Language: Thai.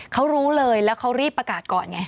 เขารู้เลยแล้วเขารีบประกาศก่อนไง